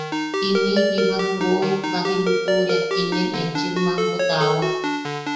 Iniʼi jiba woi, baji lutuʼuria inen enchim mampo taawak.